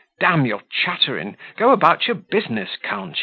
D your chattering! Go about your business, can't ye."